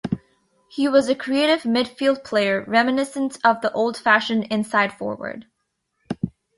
He was a creative midfield player, reminiscent of the old-fashioned inside forward.